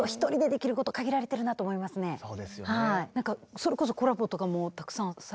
それこそコラボとかもたくさんされて。